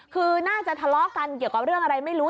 คือน่าจะทะเลาะกันเกี่ยวกับเรื่องอะไรไม่รู้